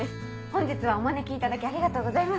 本日はお招きいただきありがとうございます。